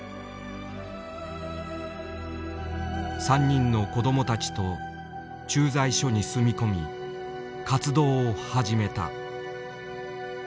３人の子供たちと駐在所に住み込み活動を始めた。